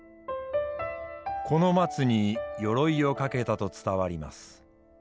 この松に鎧をかけたと伝わります。